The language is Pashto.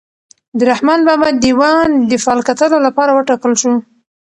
د رحمان بابا دیوان د فال کتلو لپاره وټاکل شو.